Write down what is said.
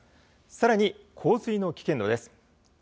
さらに洪水の危険度です。